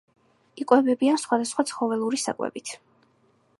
იკვებებიან სხვადასხვა ცხოველური საკვებით.